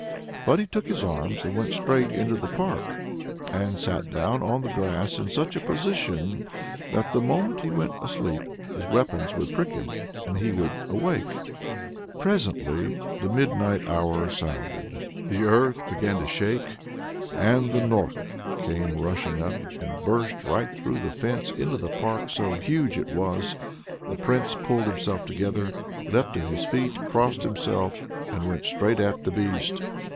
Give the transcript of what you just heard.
But he took his arms, and went straight into the park, and sat down on the grass in such a position that, the moment he went asleep, his weapons would prick him, and he would awake. Presently the midnight hour sounded. The earth began to shake, and the Norka came rushing up, and burst right through the fence into the park, so huge was it. The Prince pulled himself together, leapt to his feet, crossed himself, and went straight at the beast.